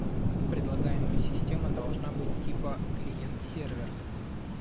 Предлагаемая система должна быть типа «Клиент-сервер»